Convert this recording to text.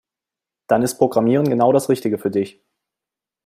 Dann ist Programmieren genau das Richtige für dich.